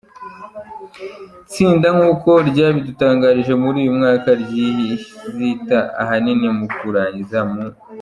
tsinda nkuko ryabidutangarije muri uyu mwaka rizita ahanini mu kurangiza mu.